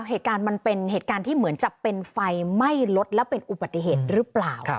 เหตุการณ์มันเป็นเหตุการณ์ที่เหมือนจะเป็นไฟไหม้รถแล้วเป็นอุบัติเหตุหรือเปล่า